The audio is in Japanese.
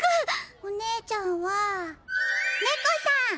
お姉ちゃんは猫さん！